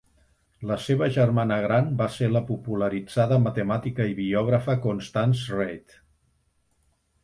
La seva germana gran va ser la popularitzada matemàtica i biògrafa Constance Reid.